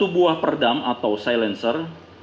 satu buah peredam atau silencer